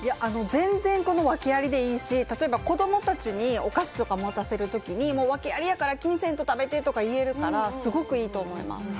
全然訳ありでいいし、例えば、子どもたちにお菓子持たせるときに、訳ありやから気にせんと食べてとか言えるから、すごくいいと思います。